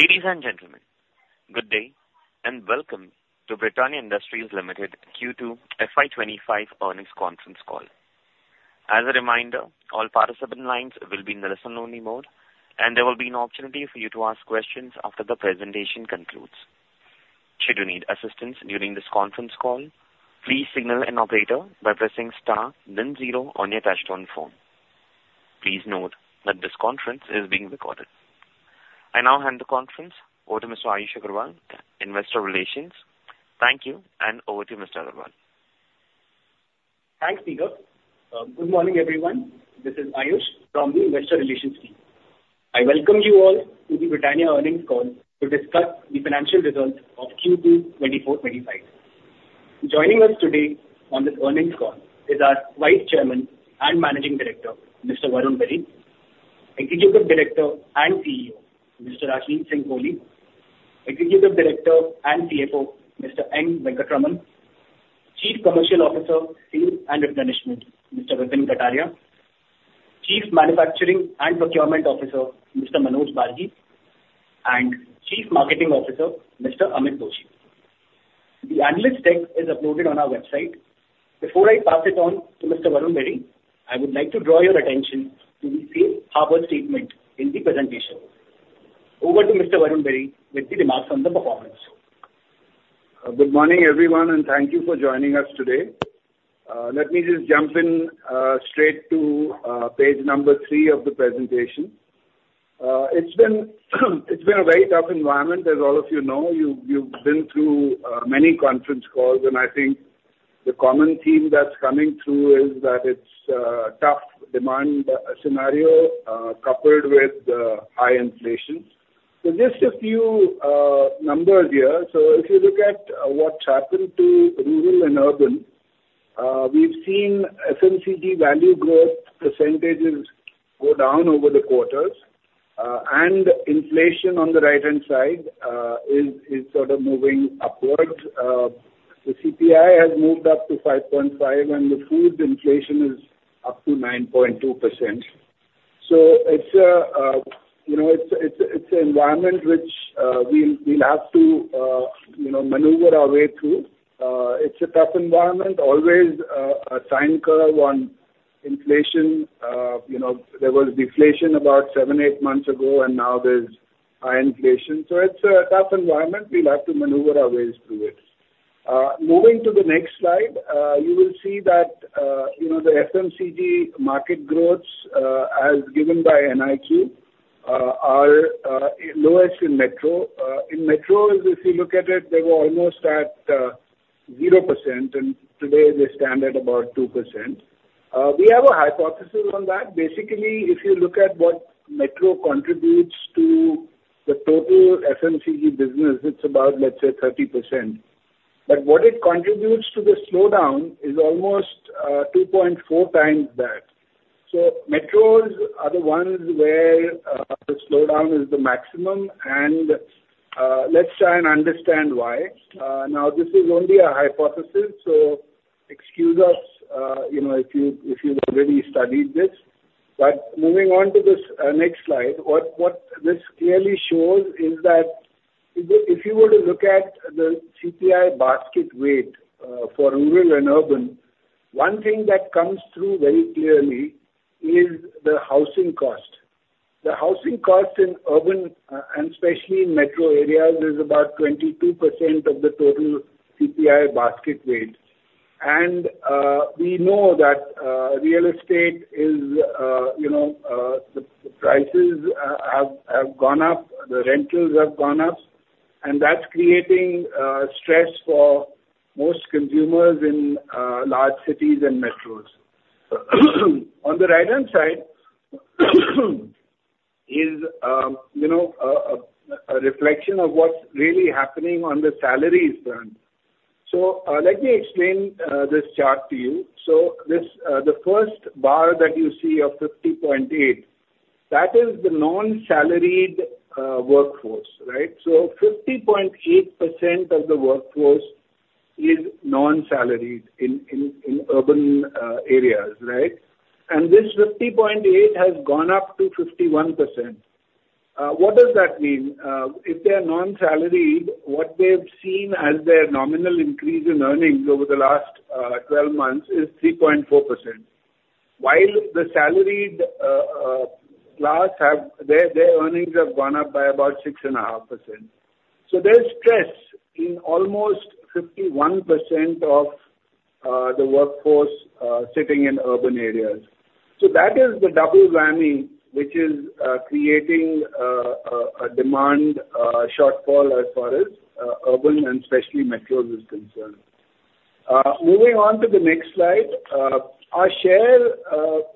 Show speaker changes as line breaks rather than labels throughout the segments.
Ladies and gentlemen, good day and welcome to Britannia Industries Limited Q2 FY 2025 earnings conference call. As a reminder, all participant lines will be in the listen-only mode, and there will be an opportunity for you to ask questions after the presentation concludes. Should you need assistance during this conference call, please signal an operator by pressing star, then zero on your touch-tone phone. Please note that this conference is being recorded. I now hand the conference over to Mr. Ayush Agarwal, Investor Relations. Thank you, and over to you, Mr. Agarwal.
Thanks, Vipin. Good morning, everyone. This is Ayush from the Investor Relations team. I welcome you all to the Britannia earnings call to discuss the financial results of Q2 2024-2025. Joining us today on this earnings call is our Vice Chairman and Managing Director, Mr. Varun Berry, Executive Director and CEO, Mr. Rajneet Singh Kohli, Executive Director and CFO, Mr. N. Venkataraman, Chief Commercial Officer, Sales and Replenishment, Mr. Vipin Kataria, Chief Manufacturing and Procurement Officer, Mr. Manoj Balgi, and Chief Marketing Officer, Mr. Amit Doshi. The analyst deck is uploaded on our website. Before I pass it on to Mr. Varun Berry, I would like to draw your attention to the Safe Harbor Statement in the presentation. Over to Mr. Varun Berry with the remarks on the performance.
Good morning, everyone, and thank you for joining us today. Let me just jump straight to page number three of the presentation. It's been a very tough environment, as all of you know. You've been through many conference calls, and I think the common theme that's coming through is that it's a tough demand scenario coupled with high inflation. So just a few numbers here, so if you look at what's happened to rural and urban, we've seen FMCG value growth percentages go down over the quarters, and inflation on the right-hand side is sort of moving upwards. The CPI has moved up to 5.5, and the food inflation is up to 9.2%. So it's an environment which we'll have to maneuver our way through. It's a tough environment, always a time curve on inflation. There was deflation about seven, eight months ago, and now there's high inflation. So it's a tough environment. We'll have to maneuver our way through it. Moving to the next slide, you will see that the FMCG market growths, as given by NIQ, are lowest in metro. In metro, if you look at it, they were almost at 0%, and today they're standard about 2%. We have a hypothesis on that. Basically, if you look at what metro contributes to the total FMCG business, it's about, let's say, 30%. But what it contributes to the slowdown is almost 2.4 times that. So metros are the ones where the slowdown is the maximum, and let's try and understand why. Now, this is only a hypothesis, so excuse us if you've already studied this. But moving on to this next slide, what this clearly shows is that if you were to look at the CPI basket weight for rural and urban, one thing that comes through very clearly is the housing cost. The housing cost in urban, and especially in metro areas, is about 22% of the total CPI basket weight. And we know that real estate is the prices have gone up, the rentals have gone up, and that's creating stress for most consumers in large cities and metros. On the right-hand side is a reflection of what's really happening on the salaries front. So let me explain this chart to you. So the first bar that you see of 50.8%, that is the non-salaried workforce, right? So 50.8% of the workforce is non-salaried in urban areas, right? And this 50.8% has gone up to 51%. What does that mean? If they're non-salaried, what they've seen as their nominal increase in earnings over the last 12 months is 3.4%, while the salaried class, their earnings have gone up by about 6.5%. So there's stress in almost 51% of the workforce sitting in urban areas. So that is the double whammy, which is creating a demand shortfall as far as urban, and especially metros, is concerned. Moving on to the next slide, our share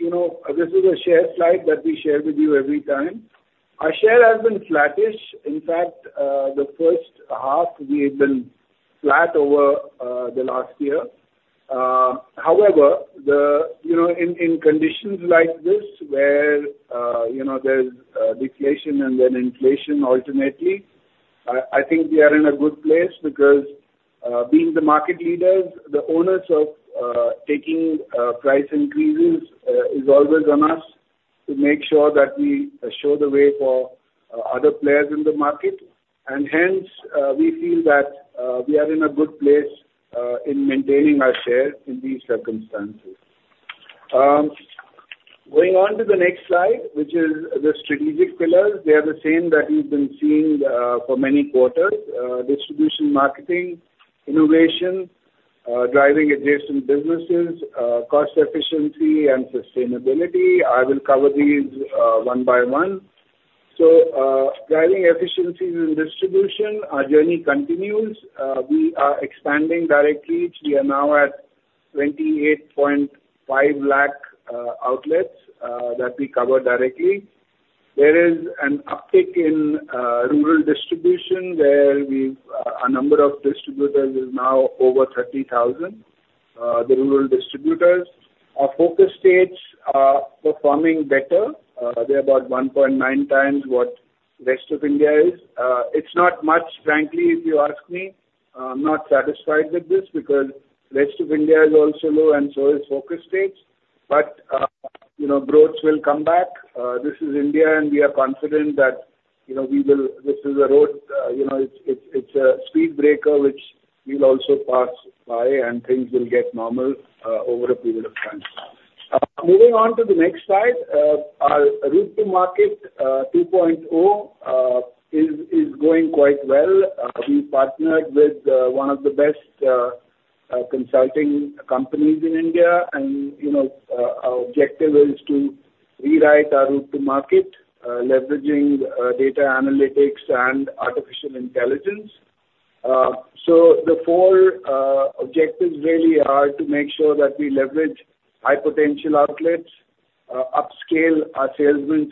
- this is a share slide that we share with you every time. Our share has been flattish. In fact, the first half, we've been flat over the last year. However, in conditions like this, where there's deflation and then inflation alternately, I think we are in a good place because, being the market leaders, the onus of taking price increases is always on us to make sure that we show the way for other players in the market. And hence, we feel that we are in a good place in maintaining our share in these circumstances. Going on to the next slide, which is the strategic pillars. They are the same that we've been seeing for many quarters: distribution, marketing, innovation, driving adjacent businesses, cost efficiency, and sustainability. I will cover these one by one. So driving efficiencies in distribution, our journey continues. We are expanding direct reach. We are now at 28.5 lakh outlets that we cover directly. There is an uptick in rural distribution, where a number of distributors is now over 30,000. The rural distributors are focus states performing better. They're about 1.9 times what rest of India is. It's not much, frankly, if you ask me. I'm not satisfied with this because rest of India is also low, and so is focus states. But growth will come back. This is India, and we are confident that we will. This is a road. It's a speed breaker, which we'll also pass by, and things will get normal over a period of time. Moving on to the next slide, our Route to Market 2.0 is going quite well. We've partnered with one of the best consulting companies in India, and our objective is to rewrite our route to market, leveraging data analytics and artificial intelligence. So the four objectives really are to make sure that we leverage high potential outlets, upscale our salesman's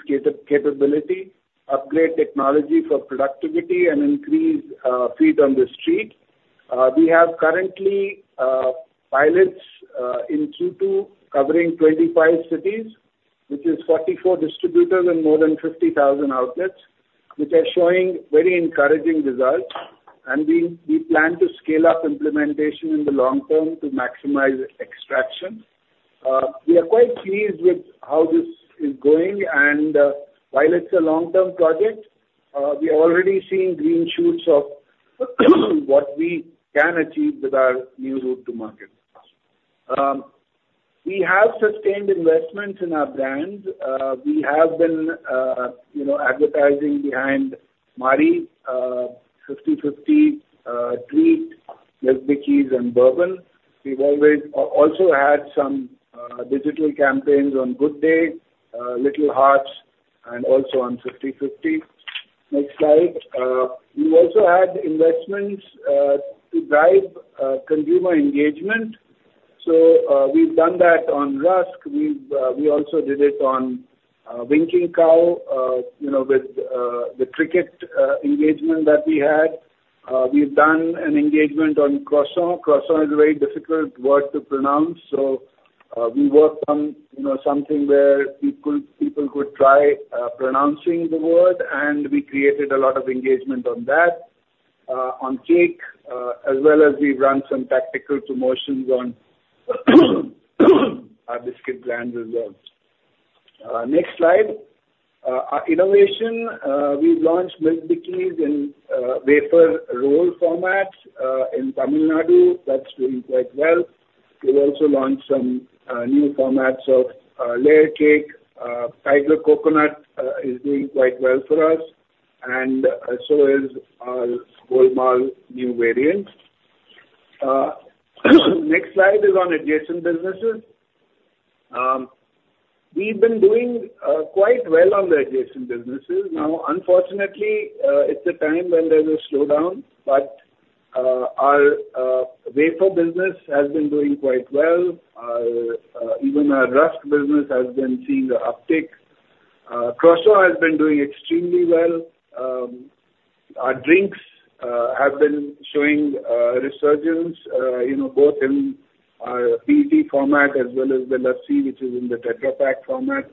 capability, upgrade technology for productivity, and increase feed on the street. We have currently pilots in Q2 covering 25 cities, which is 44 distributors and more than 50,000 outlets, which are showing very encouraging results, and we plan to scale up implementation in the long term to maximize extraction. We are quite pleased with how this is going, and while it's a long-term project, we are already seeing green shoots of what we can achieve with our new route to market. We have sustained investments in our brand. We have been advertising behind Marie, 50/50, Treat, Milk Bikis, and Bourbon. We've also had some digital campaigns on Good Day, Little Hearts, and also on 50/50. Next slide. We've also had investments to drive consumer engagement. So we've done that on Rusk. We also did it on Winkin' Cow with the cricket engagement that we had. We've done an engagement on Croissant. Croissant is a very difficult word to pronounce, so we worked on something where people could try pronouncing the word, and we created a lot of engagement on that. On cake, as well as we've run some tactical promotions on our biscuit brand as well. Next slide. Innovation, we've launched Milk Bikis in wafer roll formats in Tamil Nadu. That's doing quite well. We've also launched some new formats of layer cake. Tiger Coconut is doing quite well for us, and so is our 50/50 Golmaal new variant. Next slide is on adjacent businesses. We've been doing quite well on the adjacent businesses. Now, unfortunately, it's a time when there's a slowdown, but our wafer business has been doing quite well. Even our Rusk business has been seeing an uptick. Croissant has been doing extremely well. Our drinks have been showing resurgence, both in our PET format as well as the lassi, which is in the Tetra Pak format.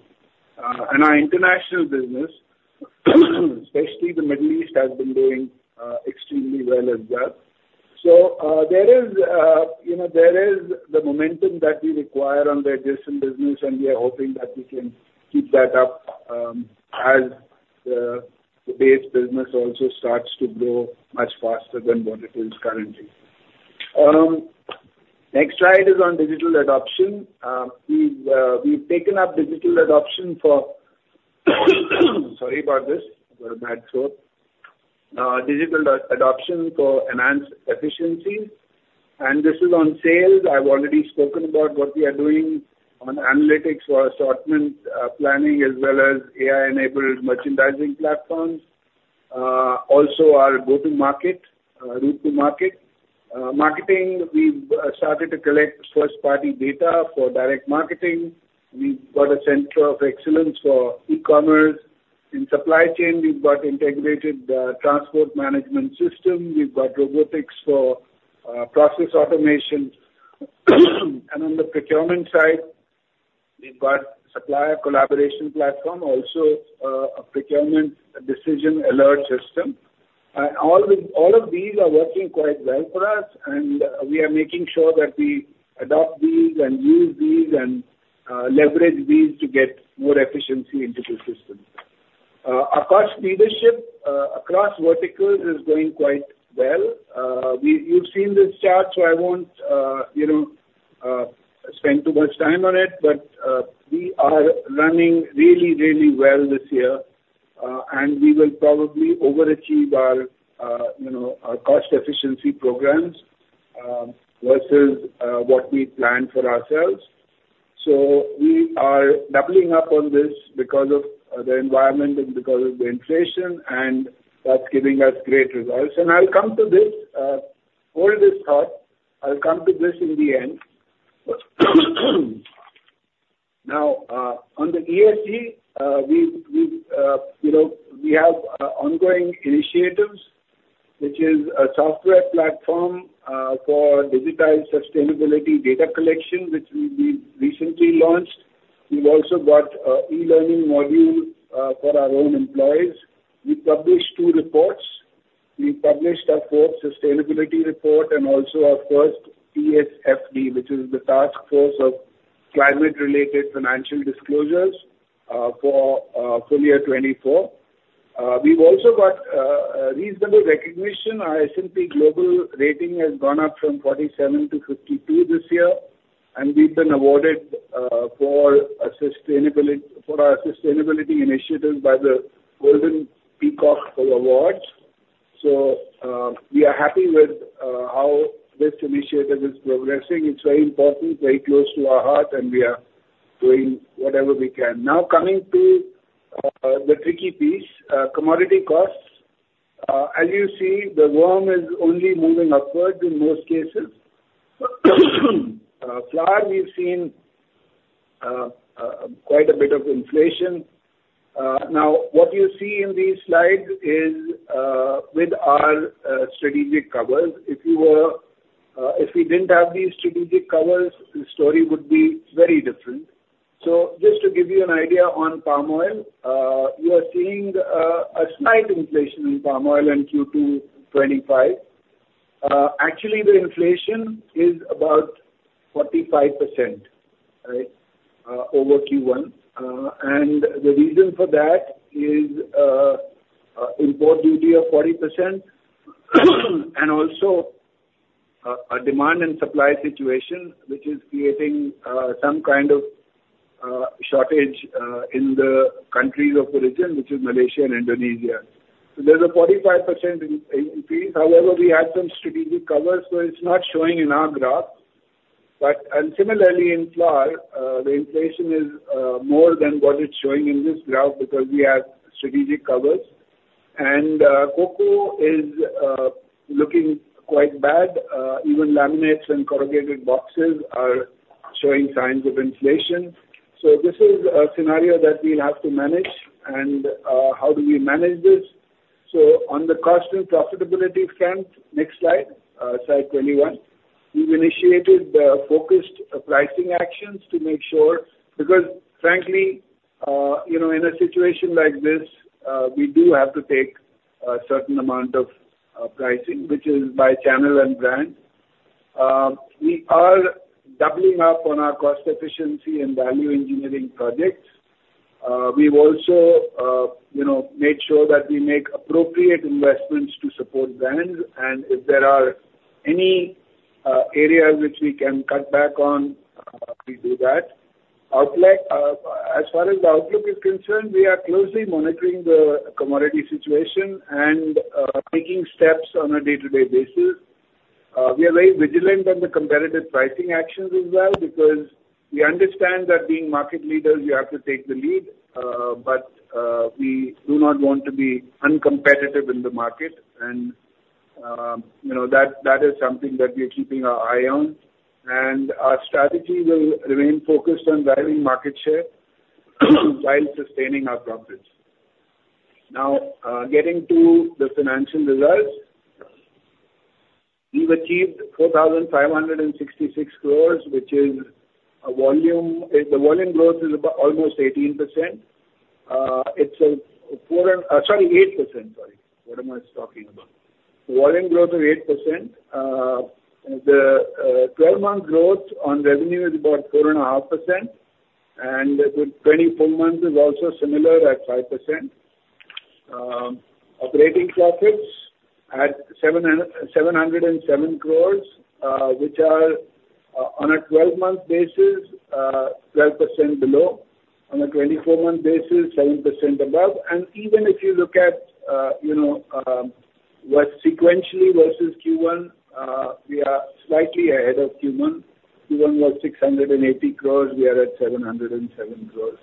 And our international business, especially the Middle East, has been doing extremely well as well. So there is the momentum that we require on the adjacent business, and we are hoping that we can keep that up as the base business also starts to grow much faster than what it is currently. Next slide is on digital adoption. We've taken up digital adoption for, sorry about this. I got a bad throat. Digital adoption for enhanced efficiencies. And this is on sales. I've already spoken about what we are doing on analytics for assortment planning as well as AI-enabled merchandising platforms. Also, our go-to-market, route to market marketing. We've started to collect first-party data for direct marketing. We've got a center of excellence for e-commerce. In supply chain, we've got integrated transport management system. We've got robotics for process automation. And on the procurement side, we've got a supplier collaboration platform, also a procurement decision alert system. All of these are working quite well for us, and we are making sure that we adopt these and use these and leverage these to get more efficiency into the system. Our cost leadership across verticals is going quite well. You've seen this chart, so I won't spend too much time on it, but we are running really, really well this year, and we will probably overachieve our cost efficiency programs versus what we planned for ourselves. So we are doubling up on this because of the environment and because of the inflation, and that's giving us great results. And I'll come to this. Hold this thought. I'll come to this in the end. Now, on the ESG, we have ongoing initiatives, which is a software platform for digitized sustainability data collection, which we recently launched. We've also got e-learning modules for our own employees. We published two reports. We published our fourth sustainability report and also our first TCFD, which is the Task Force on Climate-related Financial Disclosures for full year 2024. We've also got reasonable recognition. Our S&P Global rating has gone up from 47 to 52 this year, and we've been awarded for our sustainability initiative by the Golden Peacock Awards. So we are happy with how this initiative is progressing. It's very important, very close to our heart, and we are doing whatever we can. Now, coming to the tricky piece, commodity costs. As you see, the worm is only moving upward in most cases. So far, we've seen quite a bit of inflation. Now, what you see in these slides is with our strategic covers. If we didn't have these strategic covers, the story would be very different. So just to give you an idea on palm oil, you are seeing a slight inflation in palm oil in Q2 2025. Actually, the inflation is about 45% over Q1. And the reason for that is import duty of 40% and also a demand and supply situation, which is creating some kind of shortage in the countries of origin, which are Malaysia and Indonesia. So there's a 45% increase. However, we had some strategic covers, so it's not showing in our graph. And similarly, in fat, the inflation is more than what it's showing in this graph because we have strategic covers. And cocoa is looking quite bad. Even laminates and corrugated boxes are showing signs of inflation. So this is a scenario that we'll have to manage. And how do we manage this? So on the cost and profitability front, next slide, slide 21, we've initiated focused pricing actions to make sure because, frankly, in a situation like this, we do have to take a certain amount of pricing, which is by channel and brand. We are doubling up on our cost efficiency and value engineering projects. We've also made sure that we make appropriate investments to support brands. And if there are any areas which we can cut back on, we do that. As far as the outlook is concerned, we are closely monitoring the commodity situation and taking steps on a day-to-day basis. We are very vigilant on the competitive pricing actions as well because we understand that being market leaders, you have to take the lead, but we do not want to be uncompetitive in the market. And that is something that we are keeping our eye on. Our strategy will remain focused on driving market share while sustaining our profits. Now, getting to the financial results. We've achieved 4,566 crores, which is a volume; the volume growth is almost 18%. It's a 4%, sorry, 8%. Sorry. What am I talking about? The volume growth is 8%. The 12-month growth on revenue is about 4.5%. The 24 months is also similar at 5%. Operating profits at 707 crores, which are on a 12-month basis, 12% below. On a 24-month basis, 7% above. Even if you look at what sequentially versus Q1, we are slightly ahead of Q1. Q1 was 680 crores. We are at 707 crores.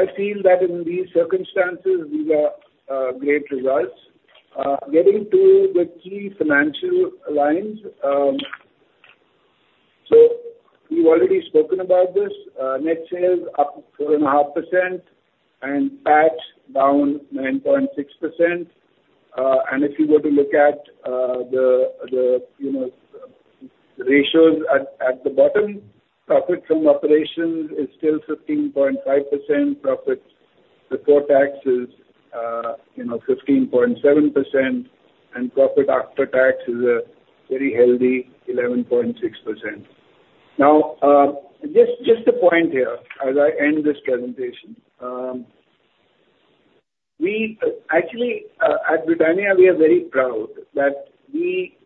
I feel that in these circumstances, we've got great results. Getting to the key financial lines. We've already spoken about this. Net sales up 4.5% and PAT down 9.6%. If you were to look at the ratios at the bottom, profit from operations is still 15.5%. Profit before tax is 15.7%, and profit after tax is a very healthy 11.6%. Now, just a point here as I end this presentation. Actually, at Britannia, we are very proud that we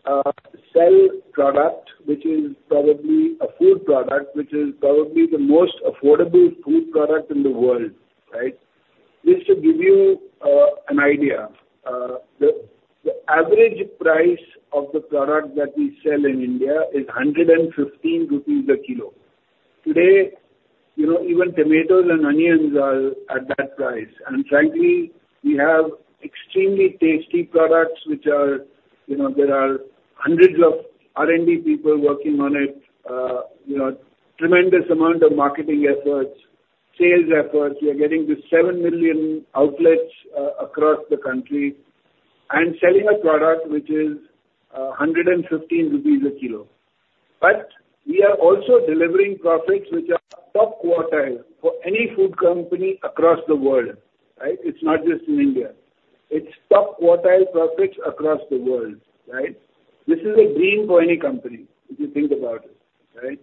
sell product, which is probably a food product, which is probably the most affordable food product in the world, right? Just to give you an idea, the average price of the product that we sell in India is 115 rupees a kilo. Today, even tomatoes and onions are at that price. And frankly, we have extremely tasty products, which there are hundreds of R&D people working on it, tremendous amount of marketing efforts, sales efforts. We are getting to seven million outlets across the country and selling a product which is 115 rupees a kilo. But we are also delivering profits which are top quartile for any food company across the world, right? It's not just in India. It's top quartile profits across the world, right? This is a dream for any company if you think about it, right?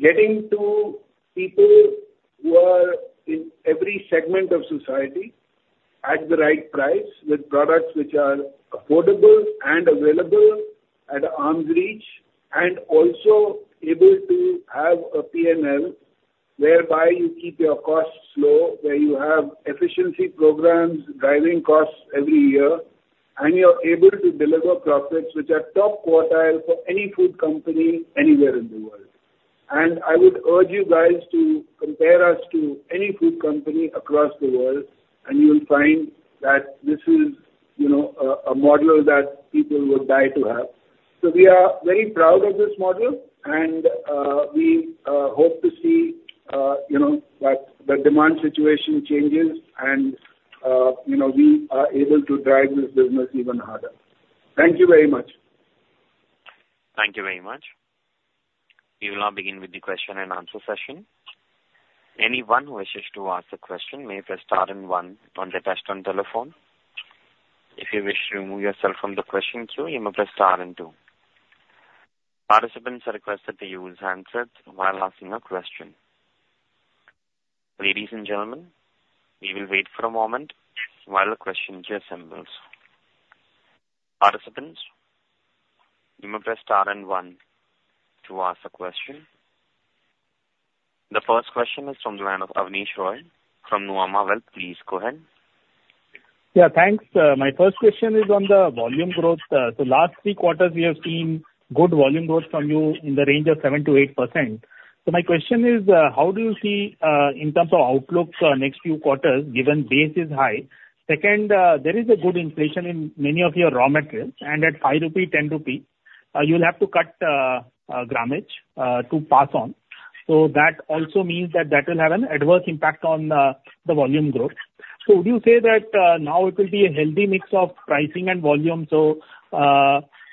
Getting to people who are in every segment of society at the right price with products which are affordable and available at arm's reach and also able to have a P&L whereby you keep your costs low, where you have efficiency programs driving costs every year, and you're able to deliver profits which are top quartile for any food company anywhere in the world. And I would urge you guys to compare us to any food company across the world, and you will find that this is a model that people would die to have. So we are very proud of this model, and we hope to see that the demand situation changes and we are able to drive this business even harder. Thank you very much.
Thank you very much. We will now begin with the question and answer session. Anyone who wishes to ask a question may press star and one on the touch-tone telephone. If you wish to remove yourself from the question queue, you may press star and two. Participants are requested to use handsets while asking a question. Ladies and gentlemen, we will wait for a moment while the question queue assembles. Participants, you may press star and one to ask a question. The first question is from the line of Abneesh Roy from Nuvama Wealth. Please go ahead.
Yeah, thanks. My first question is on the volume growth. So last three quarters, we have seen good volume growth from you in the range of 7%-8%. So my question is, how do you see in terms of outlook next few quarters given base is high? Second, there is a good inflation in many of your raw materials, and at 5 rupee, 10 rupee, you'll have to cut gramage to pass on. So that also means that will have an adverse impact on the volume growth. So would you say that now it will be a healthy mix of pricing and volume? So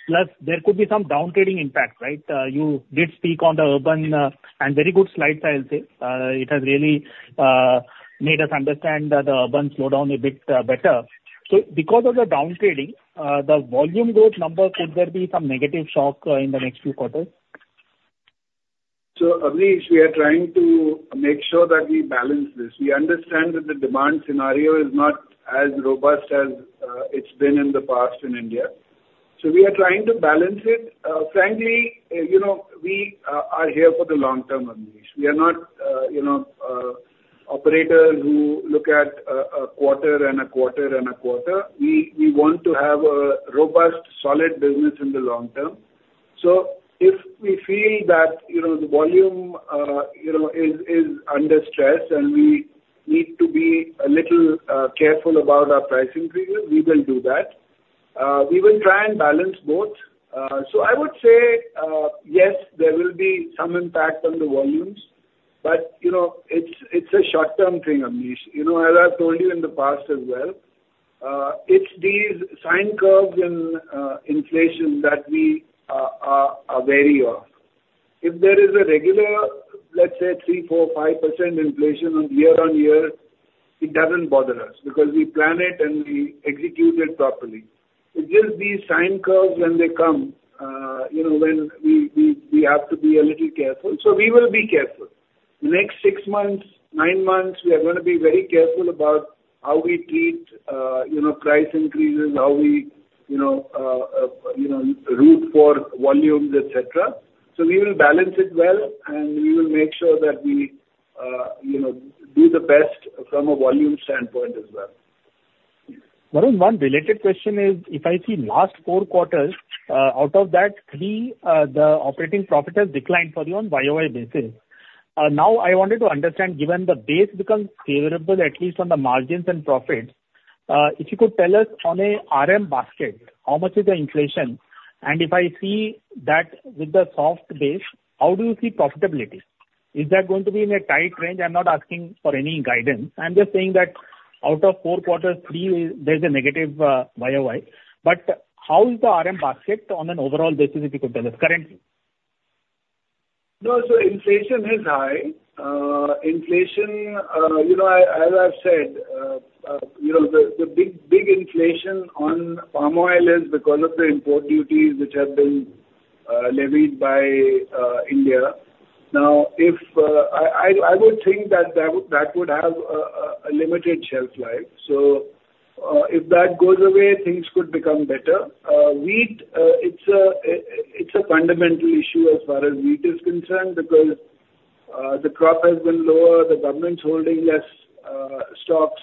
plus there could be some downtrading impact, right? You did speak on the urban and very good slides, I'll say. It has really made us understand the urban slowdown a bit better. So because of the downtrading, the volume growth number, could there be some negative shock in the next few quarters?
So Abneesh, we are trying to make sure that we balance this. We understand that the demand scenario is not as robust as it's been in the past in India. So we are trying to balance it. Frankly, we are here for the long term, Abneesh. We are not operators who look at a quarter and a quarter and a quarter. We want to have a robust, solid business in the long term. So if we feel that the volume is under stress and we need to be a little careful about our pricing figures, we will do that. We will try and balance both. So I would say, yes, there will be some impact on the volumes, but it's a short-term thing, Abneesh. As I've told you in the past as well, it's these sine curves in inflation that we are wary of. If there is a regular, let's say, 3%, 4%, 5% inflation on year on year, it doesn't bother us because we plan it and we execute it properly. It's just these sine curves when they come when we have to be a little careful. So we will be careful. The next six months, nine months, we are going to be very careful about how we treat price increases, how we root for volumes, etc. So we will balance it well, and we will make sure that we do the best from a volume standpoint as well.
Varun, one related question is, if I see last four quarters, out of that three, the operating profit has declined for you on YoY basis. Now, I wanted to understand, given the base becomes favorable, at least on the margins and profits, if you could tell us on an RM basket, how much is the inflation? And if I see that with the soft base, how do you see profitability? Is that going to be in a tight range? I'm not asking for any guidance. I'm just saying that out of four quarters, three, there's a negative YoY. But how is the RM basket on an overall basis, if you could tell us currently?
No, so inflation is high. Inflation, as I've said, the big inflation on palm oil is because of the import duties which have been levied by India. Now, I would think that that would have a limited shelf life. So if that goes away, things could become better. Wheat, it's a fundamental issue as far as wheat is concerned because the crop has been lower, the government's holding less stocks,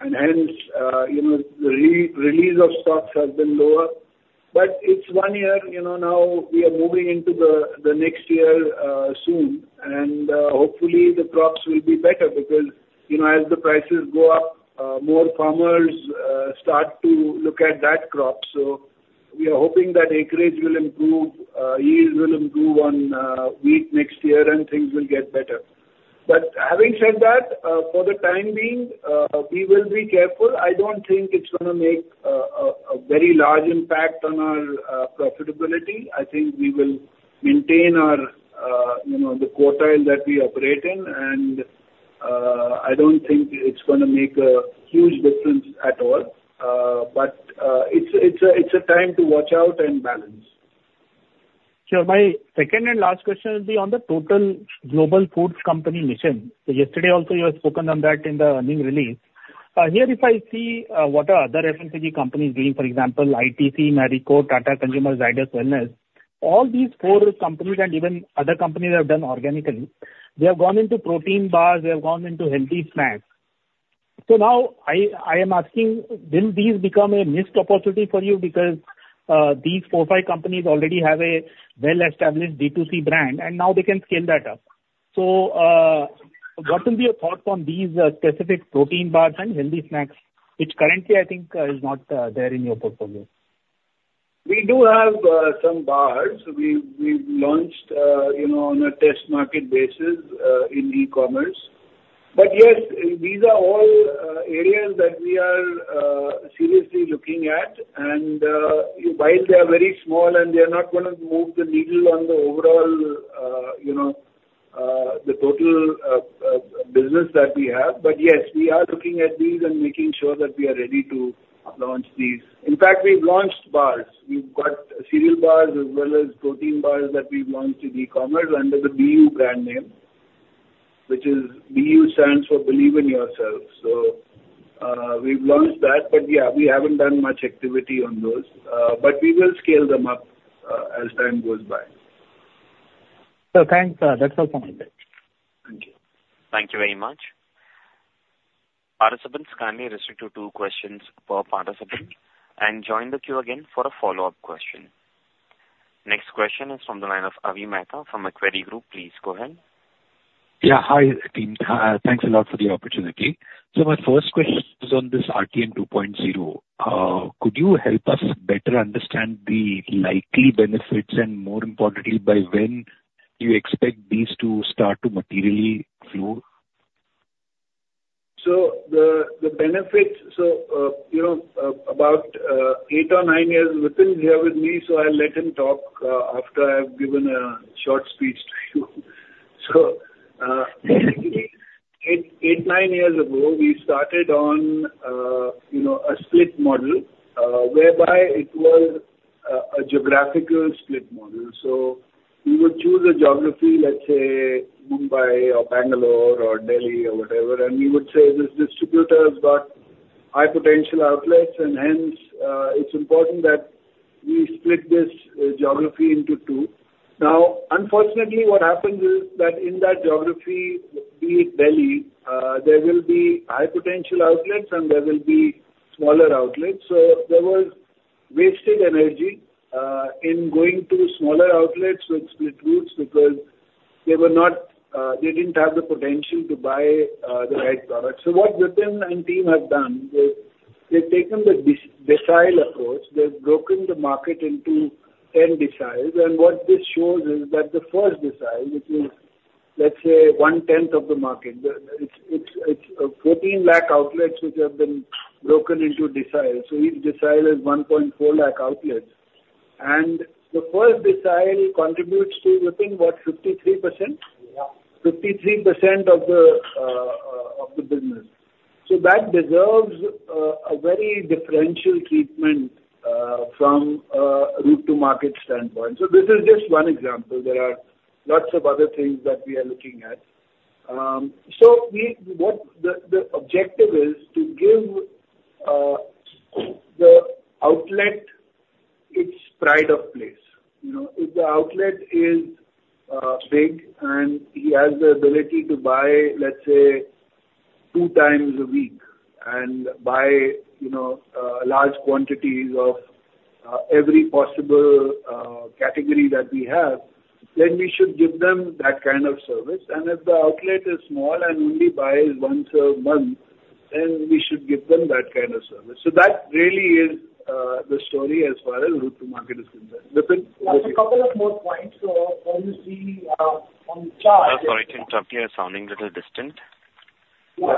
and hence the release of stocks has been lower. But it's one year now. We are moving into the next year soon, and hopefully, the crops will be better because as the prices go up, more farmers start to look at that crop. So we are hoping that acreage will improve, yield will improve on wheat next year, and things will get better. But having said that, for the time being, we will be careful. I don't think it's going to make a very large impact on our profitability. I think we will maintain the quartile that we operate in, and I don't think it's going to make a huge difference at all. But it's a time to watch out and balance.
Sure. My second and last question would be on the total global foods company mission. So yesterday, also, you had spoken on that in the earnings release. Here, if I see what are other FMCG companies doing, for example, ITC, Marico, Tata Consumer Products, Zydus Wellness, all these four companies and even other companies have done organically. They have gone into protein bars. They have gone into healthy snacks. So now I am asking, will these become a missed opportunity for you because these four, five companies already have a well-established D2C brand, and now they can scale that up? So what will be your thoughts on these specific protein bars and healthy snacks, which currently, I think, are not there in your portfolio?
We do have some bars. We've launched on a test market basis in e-commerce. But yes, these are all areas that we are seriously looking at. While they are very small and they are not going to move the needle on the overall, the total business that we have, but yes, we are looking at these and making sure that we are ready to launch these. In fact, we've launched bars. We've got cereal bars as well as protein bars that we've launched in e-commerce under the BU brand name, which is BU stands for Believe in Yourself. So we've launched that. But yeah, we haven't done much activity on those. But we will scale them up as time goes by.
So thanks. That's all from my side. Thank you.
Thank you very much. Participants, kindly restrict to two questions per participant and join the queue again for a follow-up question. Next question is from the line of Avi Mehta from Macquarie Group. Please go ahead.
Yeah. Hi, team. Thanks a lot for the opportunity. So my first question is on this RTM 2.0. Could you help us better understand the likely benefits and, more importantly, by when do you expect these to start to materially flow?
So the benefits, so about eight or nine years with him here with me, so I'll let him talk after I've given a short speech to you. So eight, nine years ago, we started on a split model whereby it was a geographical split model. So we would choose a geography, let's say, Mumbai or Bangalore or Delhi or whatever, and we would say this distributor has got high potential outlets, and hence it's important that we split this geography into two. Now, unfortunately, what happens is that in that geography, be it Delhi, there will be high potential outlets and there will be smaller outlets. So there was wasted energy in going to smaller outlets with split routes because they didn't have the potential to buy the right products. So what Britannia and team have done is they've taken the decile approach. They've broken the market into 10 deciles. And what this shows is that the first decile, which is, let's say, one-tenth of the market, it's 14 lakh outlets which have been broken into deciles. So each decile is 1.4 lakh outlets. And the first decile contributes to, within, what, 53%? 53% of the business. So that deserves a very differential treatment from a route-to-market standpoint. So this is just one example. There are lots of other things that we are looking at. So the objective is to give the outlet its pride of place. If the outlet is big and he has the ability to buy, let's say, two times a week and buy large quantities of every possible category that we have, then we should give them that kind of service. And if the outlet is small and only buys once a month, then we should give them that kind of service. So that really is the story as far as route-to-market is concerned.
A couple of more points. So what you see on the chart.
Sorry, Tim, you're sounding a little distant.
Yeah.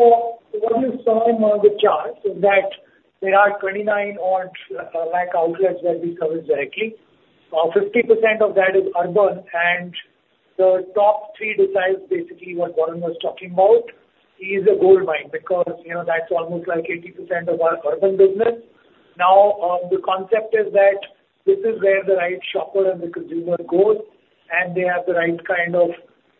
So what you saw in the chart is that there are 29 odd lakh outlets that we service directly. 50% of that is urban, and the top three deciles, basically, what Varun was talking about, is a goldmine because that's almost like 80% of our urban business. Now, the concept is that this is where the right shopper and the consumer goes, and they have the right kind of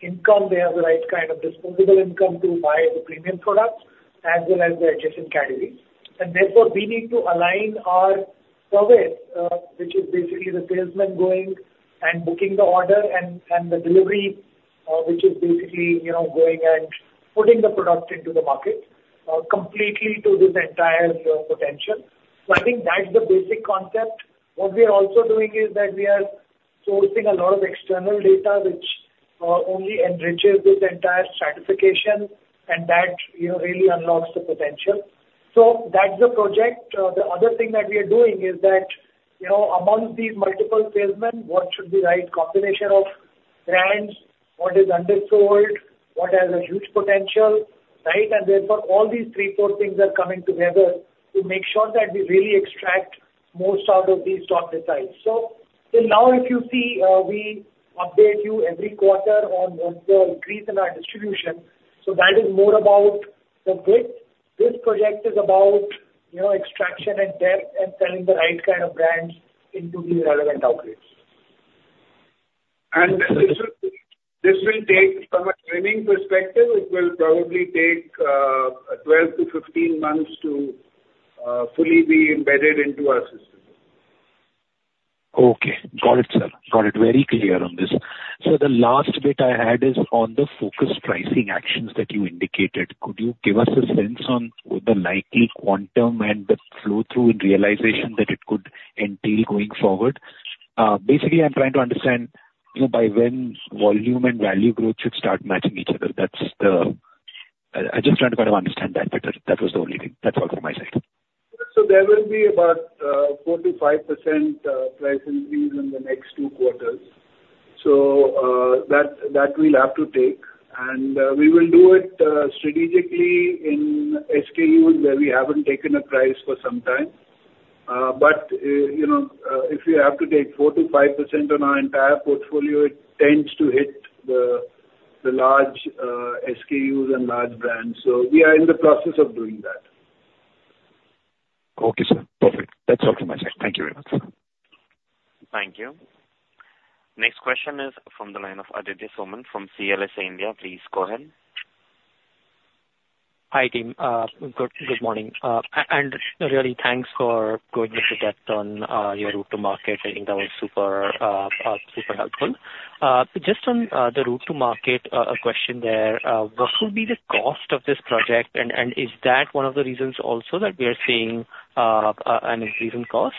income. They have the right kind of disposable income to buy the premium products as well as the adjacent categories. And therefore, we need to align our service, which is basically the salesman going and booking the order and the delivery, which is basically going and putting the product into the market, completely to this entire potential. So I think that's the basic concept. What we are also doing is that we are sourcing a lot of external data, which only enriches this entire stratification, and that really unlocks the potential. So that's the project. The other thing that we are doing is that amongst these multiple salesmen, what should be the right combination of brands, what is undersold, what has a huge potential, right? And therefore, all these three, four things are coming together to make sure that we really extract most out of these top deciles. So now, if you see, we update you every quarter on the increase in our distribution. So that is more about the grid. This project is about extraction and depth and selling the right kind of brands into the relevant outlets. And this will take, from a training perspective, it will probably take 12-15 months to fully be embedded into our system.
Okay. Got it, sir. Got it very clear on this. So the last bit I had is on the focus pricing actions that you indicated. Could you give us a sense on the likely quantum and the flow-through and realization that it could entail going forward? Basically, I'm trying to understand by when volume and value growth should start matching each other. I just want to kind of understand that better. That was the only thing. That's all from my side.
So there will be about 4%-5% price increase in the next two quarters. So that we'll have to take. And we will do it strategically in SKUs where we haven't taken a price for some time. But if we have to take 4%-5% on our entire portfolio, it tends to hit the large SKUs and large brands. So we are in the process of doing that.
Okay, sir. Perfect. That's all from my side. Thank you very much.
Thank you. Next question is from the line of Aditya Soman from CLSA India. Please go ahead.
Hi, team. Good morning. And really, thanks for going into depth on your route-to-market. I think that was super helpful. Just on the route-to-market, a question there. What will be the cost of this project? And is that one of the reasons also that we are seeing an increase in cost?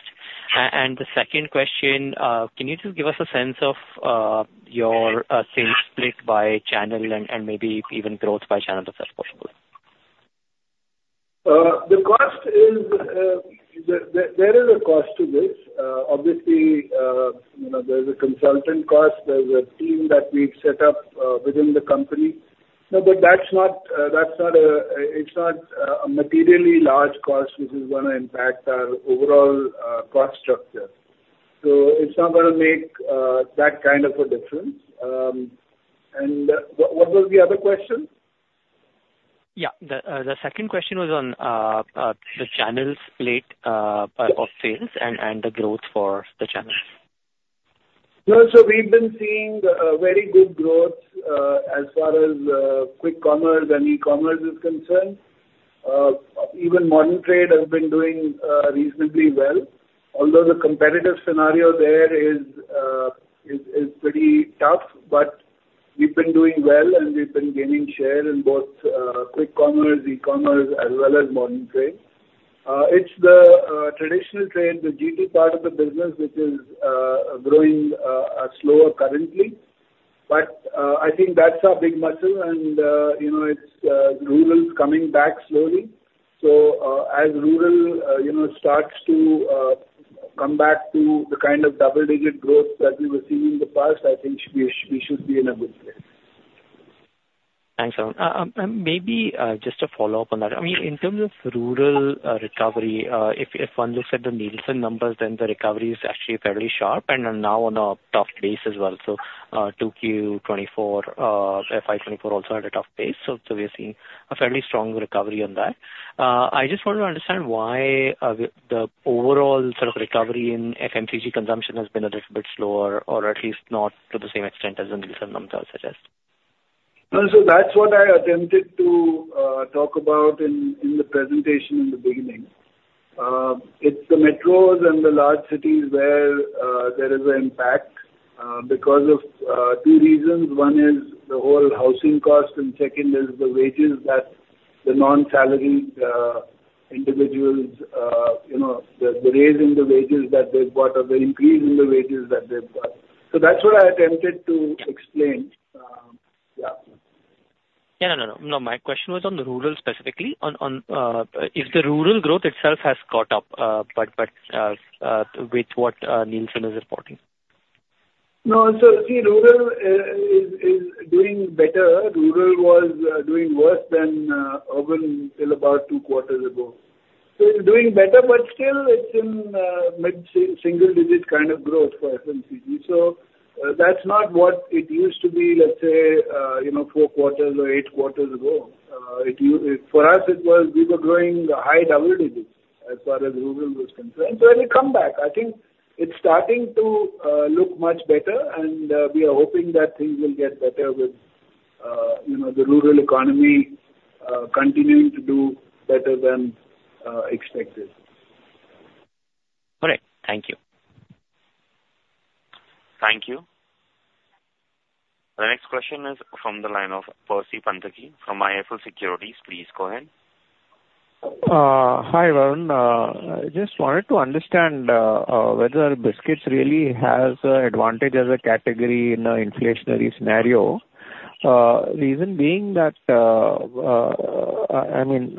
And the second question, can you just give us a sense of your sales split by channel and maybe even growth by channel if that's possible?
The cost is there is a cost to this. Obviously, there's a consultant cost. There's a team that we've set up within the company. But that's not a materially large cost which is going to impact our overall cost structure. So it's not going to make that kind of a difference. And what was the other question?
Yeah. The second question was on the channel split of sales and the growth for the channels.
So we've been seeing very good growth as far as quick commerce and e-commerce is concerned. Even modern trade has been doing reasonably well. Although the competitive scenario there is pretty tough, but we've been doing well, and we've been gaining share in both quick commerce, e-commerce, as well as modern trade. It's the traditional trade, the GT part of the business, which is growing slower currently. But I think that's our big muscle, and it's rural coming back slowly. So as rural starts to come back to the kind of double-digit growth that we were seeing in the past, I think we should be in a good place.
Thanks, sir. Maybe just a follow-up on that. I mean, in terms of rural recovery, if one looks at the Nielsen numbers, then the recovery is actually fairly sharp and now on a tough base as well. So 2Q 2024, FY 2024 also had a tough base. So we're seeing a fairly strong recovery on that. I just want to understand why the overall sort of recovery in FMCG consumption has been a little bit slower, or at least not to the same extent as the Nielsen numbers suggest.
So that's what I attempted to talk about in the presentation in the beginning. It's the metros and the large cities where there is an impact because of two reasons. One is the whole housing cost, and second is the wages that the non-salaried individuals, the raise in the wages that they've got, or the increase in the wages that they've got. So that's what I attempted to explain. Yeah.
Yeah. No, no, no. My question was on the rural specifically. If the rural growth itself has caught up, but with what Nielsen is reporting?
No. So see, rural is doing better. Rural was doing worse than urban till about two quarters ago. So it's doing better, but still, it's in mid-single-digit kind of growth for FMCG. So that's not what it used to be, let's say, four quarters or eight quarters ago. For us, we were growing the high double digits as far as rural was concerned. So it'll come back. I think it's starting to look much better, and we are hoping that things will get better with the rural economy continuing to do better than expected.
All right. Thank you.
Thank you. The next question is from the line of Percy Panthaki from IIFL Securities. Please go ahead.
Hi, Varun. I just wanted to understand whether biscuits really has an advantage as a category in an inflationary scenario. Reason being that, I mean,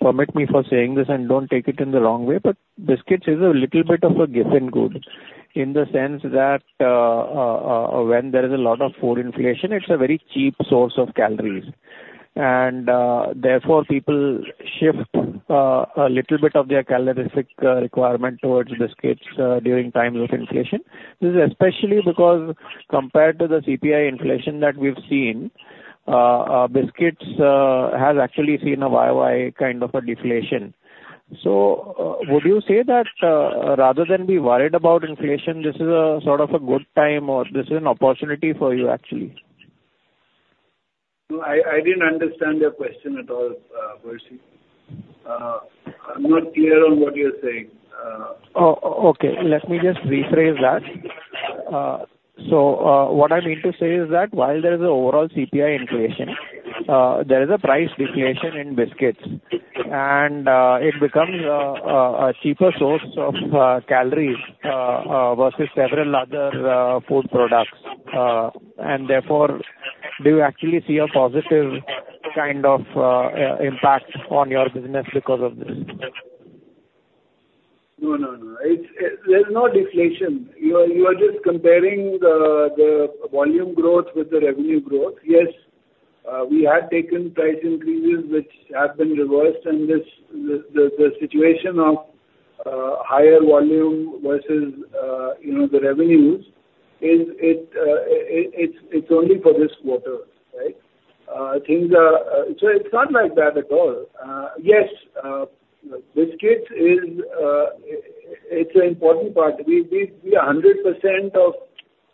permit me for saying this and don't take it in the wrong way, but biscuits is a little bit of a Giffen good in the sense that when there is a lot of food inflation, it's a very cheap source of calories. And therefore, people shift a little bit of their calorific requirement towards biscuits during times of inflation. This is especially because compared to the CPI inflation that we've seen, biscuits has actually seen a YoY kind of a deflation. So would you say that rather than be worried about inflation, this is sort of a good time or this is an opportunity for you, actually?
I didn't understand your question at all, Percy. I'm not clear on what you're saying.
Okay. Let me just rephrase that. So what I mean to say is that while there is an overall CPI inflation, there is a price deflation in Biscuits, and it becomes a cheaper source of calories versus several other food products. And therefore, do you actually see a positive kind of impact on your business because of this?
No, no, no. There's no deflation. You are just comparing the volume growth with the revenue growth. Yes, we have taken price increases which have been reversed, and the situation of higher volume versus the revenues. It's only for this quarter, right? So it's not like that at all. Yes, Biscuits. It's an important part. We are 100% of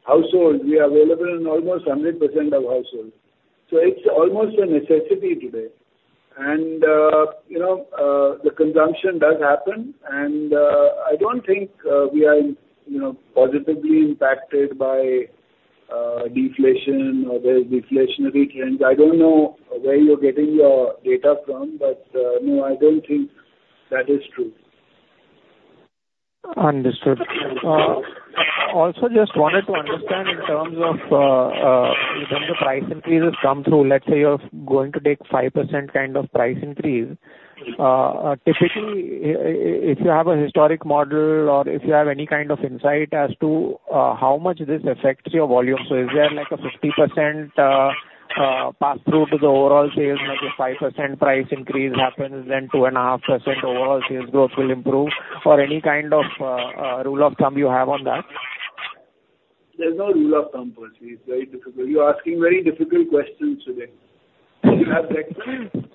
households. We are available in almost 100% of households. So it's almost a necessity today. And the consumption does happen, and I don't think we are positively impacted by deflation or there's deflationary trends. I don't know where you're getting your data from, but no, I don't think that is true.
Understood. Also, just wanted to understand in terms of when the price increases come through, let's say you're going to take 5% kind of price increase. Typically, if you have a historic model or if you have any kind of insight as to how much this affects your volume, so is there like a 50% pass-through to the overall sales? Like if 5% price increase happens, then 2.5% overall sales growth will improve, or any kind of rule of thumb you have on that?
There's no rule of thumb, Percy. It's very difficult. You're asking very difficult questions today. You have breakfast?
Fair enough. Fair enough.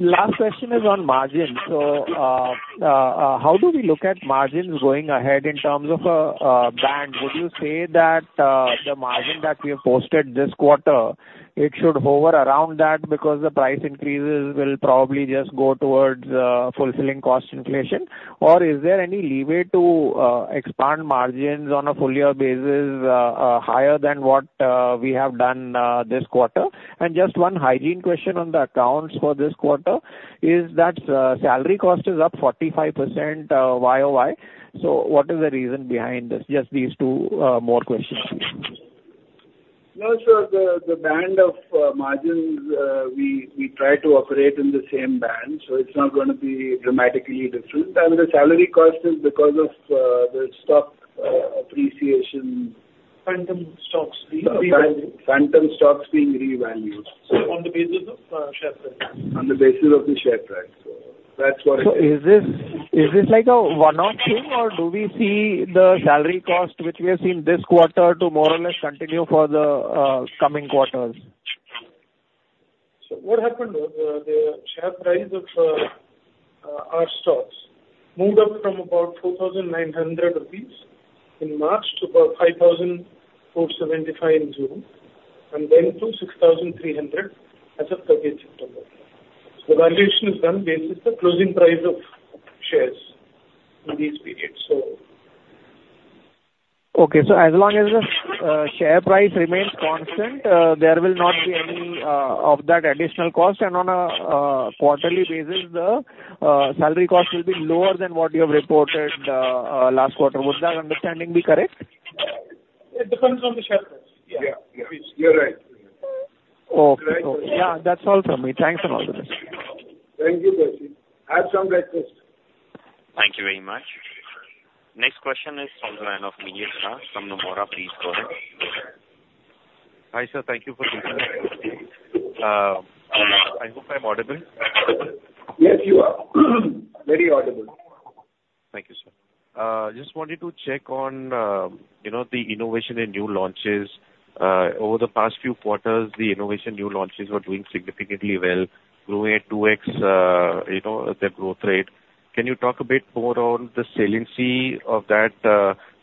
Last question is on margin. So how do we look at margins going ahead in terms of a band? Would you say that the margin that we have posted this quarter, it should hover around that because the price increases will probably just go towards fulfilling cost inflation? Or is there any leeway to expand margins on a full-year basis higher than what we have done this quarter? And just one hygiene question on the accounts for this quarter is that salary cost is up 45% YOY. So what is the reason behind this? Just these two more questions.
No, sure. The band of margins, we try to operate in the same band, so it's not going to be dramatically different. And the salary cost is because of the stock appreciation. Phantom stocks being revalued. So on the basis of share price. On the basis of the share price. So that's what it is.
So is this like a one-off thing, or do we see the salary cost, which we have seen this quarter, to more or less continue for the coming quarters?
So what happened was the share price of our stocks moved up from about 4,900 rupees in March to about 5,475 in June, and then to 6,300 as of 30th September. So the valuation is done based on the closing price of shares in these periods, so.
Okay. So as long as the share price remains constant, there will not be any of that additional cost. And on a quarterly basis, the salary cost will be lower than what you have reported last quarter. Would that understanding be correct?
It depends on the share price. Yeah. You're right. You're right.
Okay. Yeah. That's all from me. Thanks for all the best.
Thank you, Percy. Have some breakfast.
Thank you very much. Next question is from the line of Mihir Shah from Nomura, please go ahead.
Hi, sir. Thank you for taking the call. I hope I'm audible. Yes, you are. Very audible. Thank you, sir. Just wanted to check on the innovation and new launches. Over the past few quarters, the innovation new launches were doing significantly well, growing at 2x their growth rate. Can you talk a bit more on the saliency of that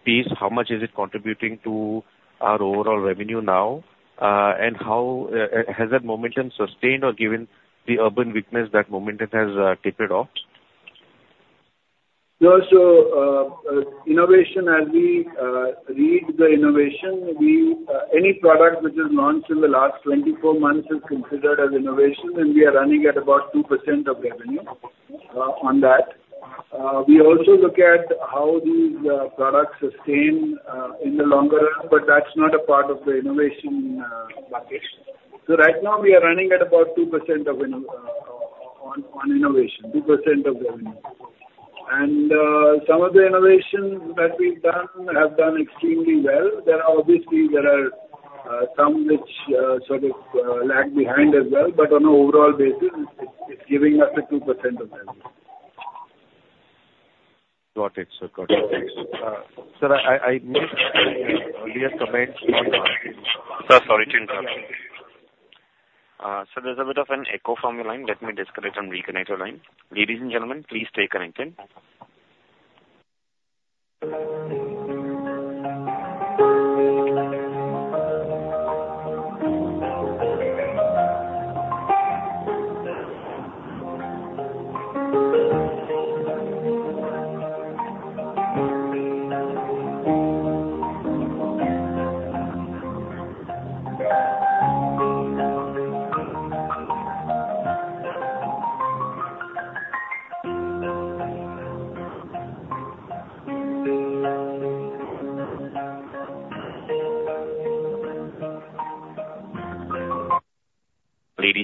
piece? How much is it contributing to our overall revenue now? And has that momentum sustained or given the urban weakness that momentum has tapered off?
No. So innovation, as we read the innovation, any product which is launched in the last 24 months is considered as innovation, and we are running at about 2% of revenue on that. We also look at how these products sustain in the longer run, but that's not a part of the innovation bucket, so right now, we are running at about 2% on innovation, 2% of revenue, and some of the innovations that we've done have done extremely well. There are obviously some which sort of lag behind as well, but on an overall basis, it's giving us the 2% of revenue.
Got it, sir. Got it. Thanks. Sir, I missed earlier comments on. Sir, sorry to interrupt. Sir, there's a bit of an echo from your line. Let me disconnect and reconnect your line. Ladies and gentlemen, please stay connected. Ladies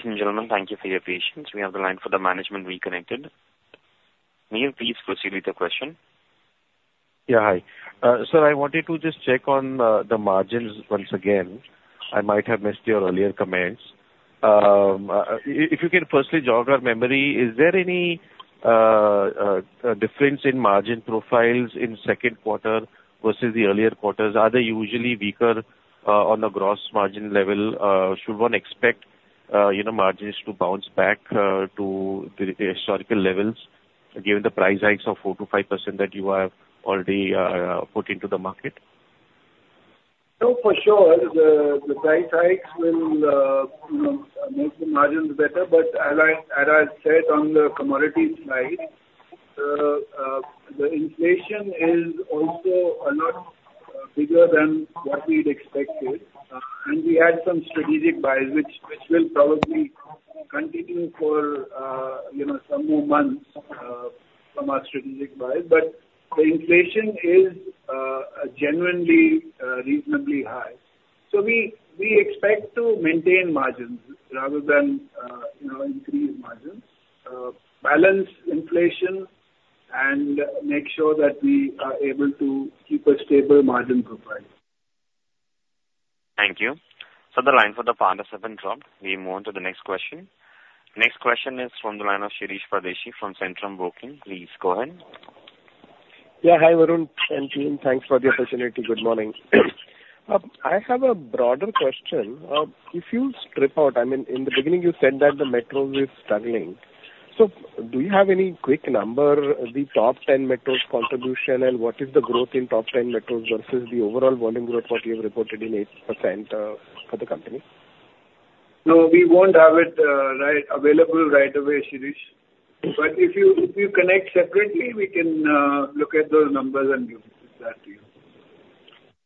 and gentlemen, thank you for your patience. We have the line for the management reconnected. Mihir, please proceed with your question.
Yeah. Hi. Sir, I wanted to just check on the margins once again. I might have missed your earlier comments. If you can personally jog our memory, is there any difference in margin profiles in second quarter versus the earlier quarters? Are they usually weaker on the gross margin level? Should one expect margins to bounce back to the historical levels given the price hikes of 4%-5% that you have already put into the market?
No, for sure. The price hikes will make the margins better, but as I said on the commodities side, the inflation is also a lot bigger than what we'd expected. And we had some strategic buys, which will probably continue for some more months from our strategic buys. But the inflation is genuinely reasonably high. So we expect to maintain margins rather than increase margins, balance inflation, and make sure that we are able to keep a stable margin profile.
Thank you. Sir, the line for the panel has been dropped. We move on to the next question. Next question is from the line of Shirish Pardeshi from Centrum Broking. Please go ahead.
Yeah. Hi, Varun. Thank you. Thanks for the opportunity. Good morning. I have a broader question. If you strip out, I mean, in the beginning, you said that the metros were struggling. So do you have any quick number, the top 10 metros' contribution, and what is the growth in top 10 metros versus the overall volume growth what you have reported in 8% for the company?
No, we won't have it available right away, Shirish. But if you connect separately, we can look at those numbers and give that to you.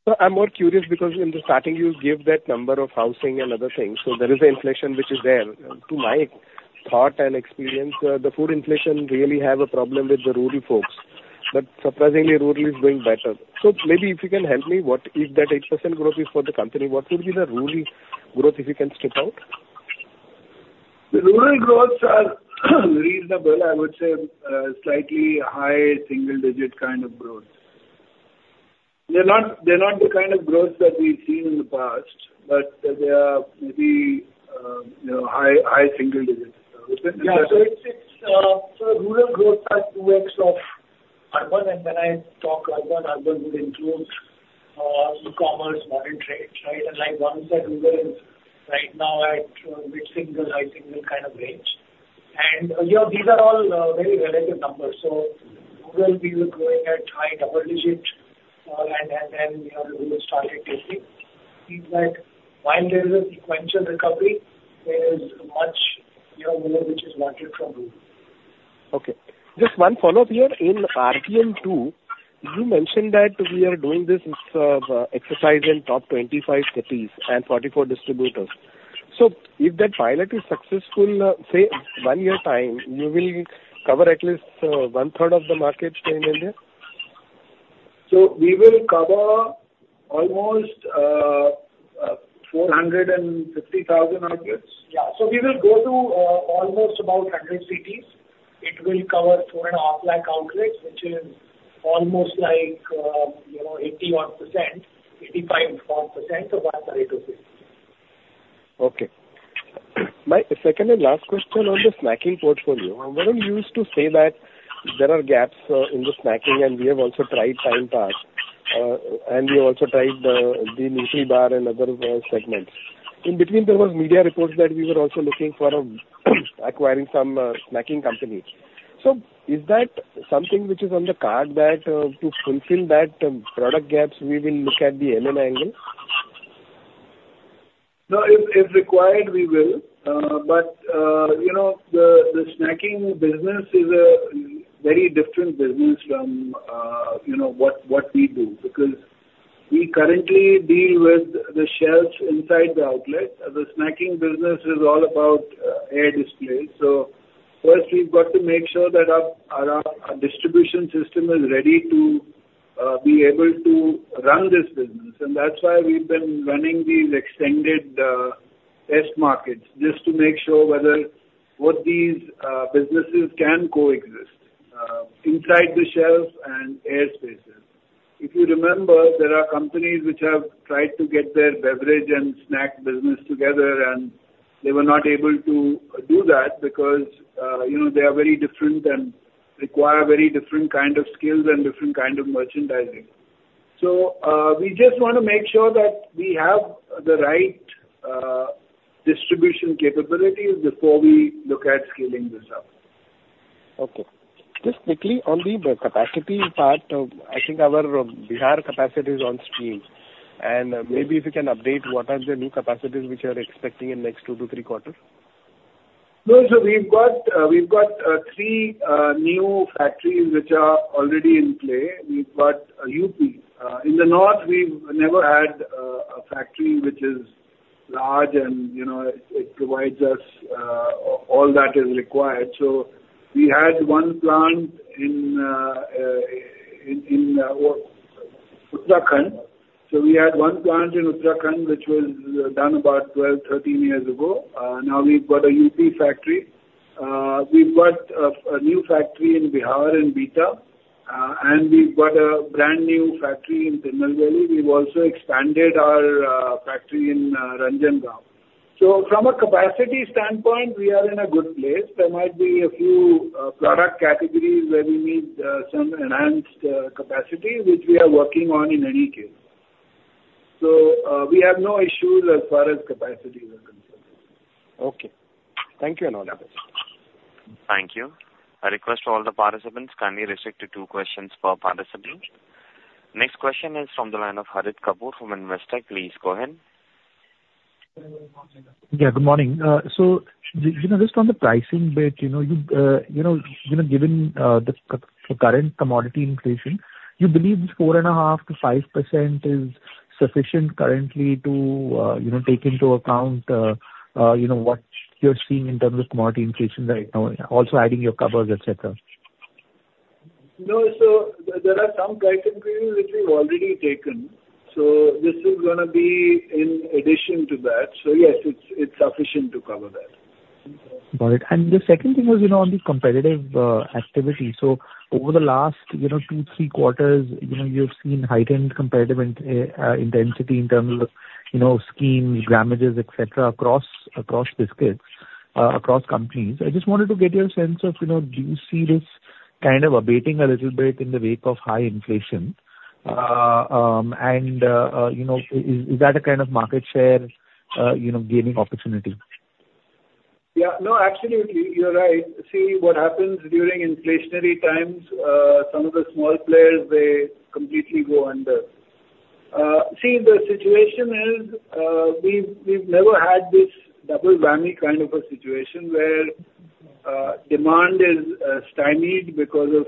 Sir, I'm more curious because in the starting, you gave that number of housing and other things. So there is inflation which is there. To my thought and experience, the food inflation really has a problem with the rural folks. But surprisingly, rural is doing better. So maybe if you can help me, what if that 8% growth is for the company, what would be the rural growth if you can strip out?
The rural growths are reasonable. I would say slightly high single-digit kind of growth. They're not the kind of growth that we've seen in the past, but they are maybe high single-digit.
Yeah. So rural growths are 2x of urban. And when I talk urban, urban would include e-commerce, modern trade, right? And like one said, rural is right now at mid-single, high-single kind of range. And these are all very relative numbers. So rural, we were growing at high double-digit, and then rural started tapering. It seems that while there is a sequential recovery, there is much more which is wanted from rural.
Okay. Just one follow-up here. In RPM2, you mentioned that we are doing this exercise in top 25 cities and 44 distributors. So if that pilot is successful, say, one year time, you will cover at least one-third of the market in India?
So we will cover almost 450,000 outlets. Yeah. So we will go to almost about 100 cities. It will cover 4.5 lakh outlets, which is almost like 81%-85% of our Pareto figure.
Okay. My second and last question on the snacking portfolio. I'm very used to say that there are gaps in the snacking, and we have also tried Timepass, and we also tried the NutriChoice and other segments. In between, there were media reports that we were also looking for acquiring some snacking companies. So, is that something which is on the card that to fulfill that product gaps, we will look at the M&A angle?
No, if required, we will. But the snacking business is a very different business from what we do because we currently deal with the shelves inside the outlet. The snacking business is all about air displays. So first, we've got to make sure that our distribution system is ready to be able to run this business. And that's why we've been running these extended test markets just to make sure whether what these businesses can coexist inside the shelf and air spaces. If you remember, there are companies which have tried to get their beverage and snack business together, and they were not able to do that because they are very different and require very different kind of skills and different kind of merchandising. So we just want to make sure that we have the right distribution capabilities before we look at scaling this up.
Okay. Just quickly on the capacity part, I think our Bihar capacity is on stream. And maybe if you can update what are the new capacities which you are expecting in the next two to three quarters?
No, so we've got three new factories which are already in play. We've got UP. In the north, we've never had a factory which is large, and it provides us all that is required. So we had one plant in Uttarakhand. So we had one plant in Uttarakhand, which was done about 12, 13 years ago. Now we've got a UP factory. We've got a new factory in Bihar in Bihta, and we've got a brand new factory in Tirunelveli. We've also expanded our factory in Ranjangaon. From a capacity standpoint, we are in a good place. There might be a few product categories where we need some enhanced capacity, which we are working on in any case. So we have no issues as far as capacity is concerned.
Okay. Thank you enough.
Thank you. I request all the participants kindly restrict to two questions per participant. Next question is from the line of Harit Kapoor from Investec. Please go ahead.
Yeah. Good morning. So just on the pricing bit, given the current commodity inflation, you believe this 4.5%-5% is sufficient currently to take into account what you're seeing in terms of commodity inflation right now, also adding your covers, etc.?
No, so there are some criteria which we've already taken. So this is going to be in addition to that. So yes, it's sufficient to cover that.
Got it. The second thing is on the competitive activity. Over the last two, three quarters, you've seen heightened competitive intensity in terms of schemes, grammages, etc., across companies. I just wanted to get your sense of do you see this kind of abating a little bit in the wake of high inflation? And is that a kind of market share gaining opportunity?
Yeah. No, absolutely. You're right. See, what happens during inflationary times, some of the small players, they completely go under. See, the situation is we've never had this double whammy kind of a situation where demand is stymied because of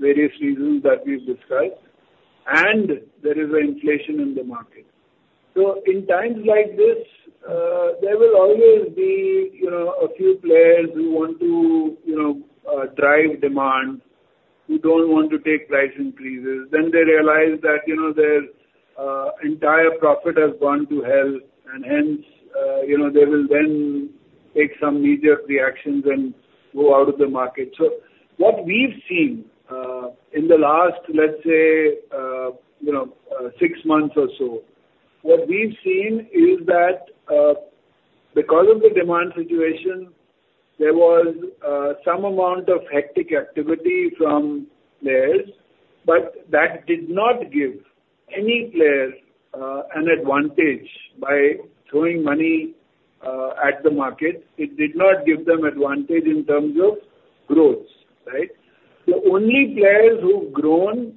various reasons that we've discussed, and there is an inflation in the market. In times like this, there will always be a few players who want to drive demand, who don't want to take price increases. Then they realize that their entire profit has gone to hell, and hence, they will then take some knee-jerk reactions and go out of the market. So what we've seen in the last, let's say, six months or so, what we've seen is that because of the demand situation, there was some amount of hectic activity from players, but that did not give any player an advantage by throwing money at the market. It did not give them advantage in terms of growth, right? The only players who've grown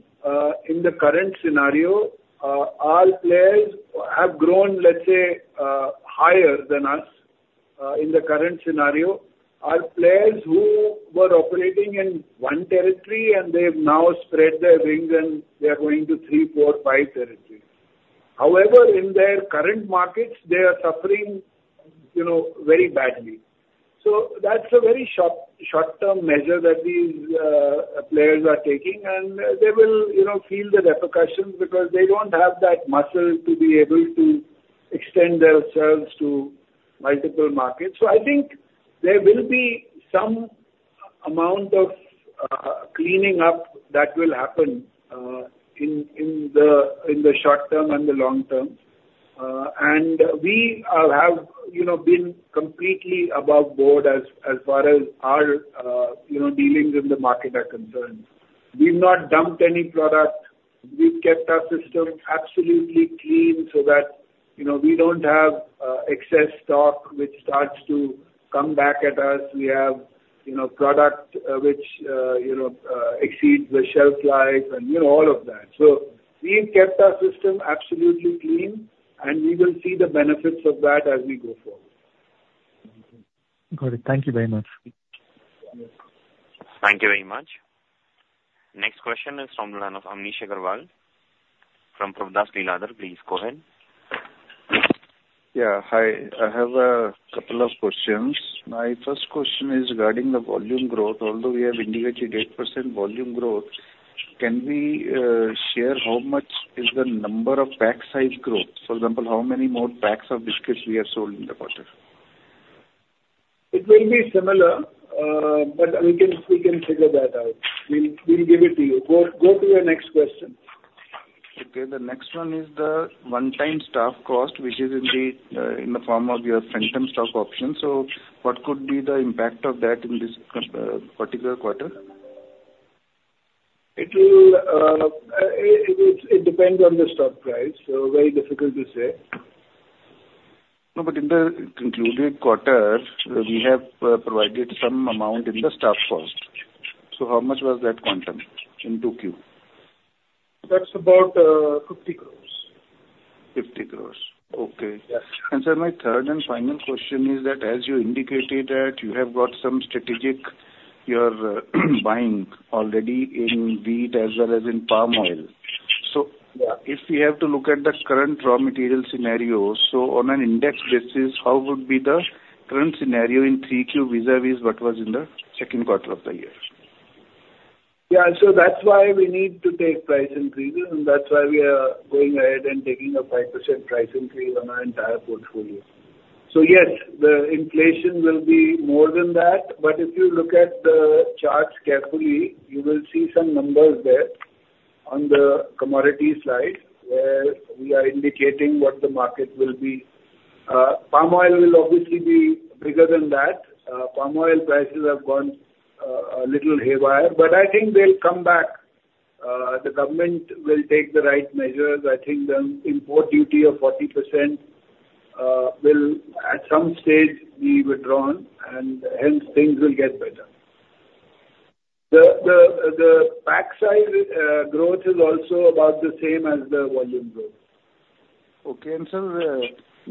in the current scenario, all players have grown, let's say, higher than us in the current scenario, are players who were operating in one territory, and they've now spread their wings, and they are going to three, four, five territories. However, in their current markets, they are suffering very badly. So that's a very short-term measure that these players are taking, and they will feel the repercussions because they don't have that muscle to be able to extend their shelves to multiple markets. So I think there will be some amount of cleaning up that will happen in the short term and the long term. And we have been completely above board as far as our dealings in the market are concerned. We've not dumped any product. We've kept our system absolutely clean so that we don't have excess stock which starts to come back at us. We have product which exceeds the shelf life and all of that. So we've kept our system absolutely clean, and we will see the benefits of that as we go forward.
Got it. Thank you very much.
Thank you very much. Next question is from the line of Amnish Aggarwal from Prabhudas Lilladher. Please go ahead.
Yeah. Hi. I have a couple of questions. My first question is regarding the volume growth. Although we have indicated 8% volume growth, can we share how much is the number of pack size growth? For example, how many more packs of biscuits we have sold in the quarter?
It will be similar, but we can figure that out. We'll give it to you. Go to your next question.
Okay. The next one is the one-time stock cost, which is in the form of your phantom stock option. So what could be the impact of that in this particular quarter?
It depends on the stock price, so very difficult to say.
No, but in the concluded quarter, we have provided some amount in the stock cost. So how much was that quantum in 2Q?
That's about 50 crores.
50 crores. Okay. And sir, my third and final question is that, as you indicated, that you have got some strategic buying already in wheat as well as in palm oil. So if we have to look at the current raw material scenario, so on an index basis, how would be the current scenario in 3Q vis-à-vis what was in the second quarter of the year?
Yeah. So that's why we need to take price increases, and that's why we are going ahead and taking a 5% price increase on our entire portfolio. So yes, the inflation will be more than that, but if you look at the charts carefully, you will see some numbers there on the commodity side where we are indicating what the market will be. Palm oil will obviously be bigger than that. Palm oil prices have gone a little haywire, but I think they'll come back. The government will take the right measures. I think the import duty of 40% will, at some stage, be withdrawn, and hence, things will get better. The pack size growth is also about the same as the volume growth.
Okay. And sir,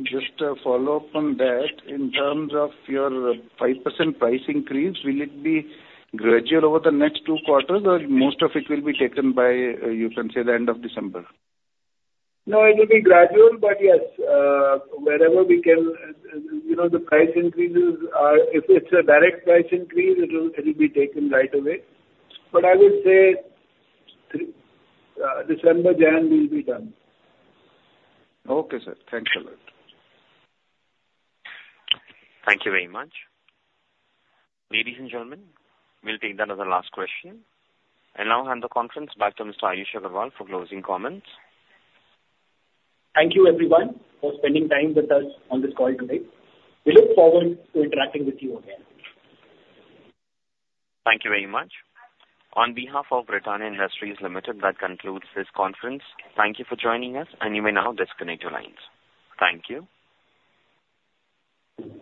just a follow-up on that. In terms of your 5% price increase, will it be gradual over the next two quarters, or most of it will be taken by, you can say, the end of December?
No, it will be gradual, but yes, wherever we can, the price increases are if it's a direct price increase, it will be taken right away. But I would say December, January will be done.
Okay, sir. Thanks a lot.
Thank you very much. Ladies and gentlemen, we'll take that as a last question. I now hand the conference back to Mr. Ayush Agarwal for closing comments.
Thank you, everyone, for spending time with us on this call today. We look forward to interacting with you again. Thank you very much.
On behalf of Britannia Industries Limited, that concludes this conference. Thank you for joining us, and you may now disconnect your lines. Thank you.